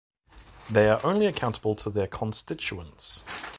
They are only accountable to their constituents.